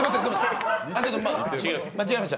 間違えました。